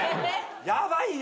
ヤバいよ！